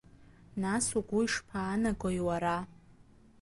Нас угәы ишԥаанагои уара?